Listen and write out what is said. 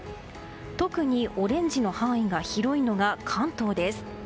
特にオレンジの範囲が広いのが関東です。